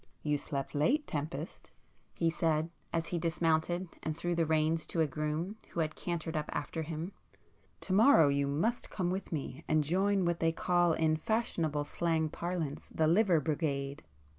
"You slept late, Tempest"—he said, as he dismounted and threw the reins to a groom who had cantered up after him,—"To morrow you must come with me and join what they call in fashionable slang parlance the Liver Brigade.